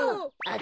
あ！